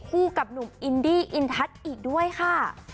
กับหนุ่มอินดี้อินทัศน์อีกด้วยค่ะ